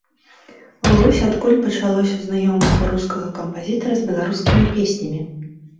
Вось адкуль пачалося знаёмства рускага кампазітара з беларускімі песнямі.